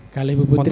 kalau ibu putri